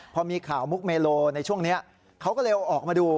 พอมีข่าวมุกเมโลในช่วงนี้เขาก็เลยเอาออกมาดู